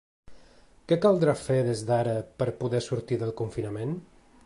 Què caldrà fer des d’ara per a poder sortir del confinament?